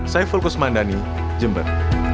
saya fulkus mandani jember